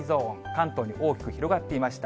関東に大きく広がっていました。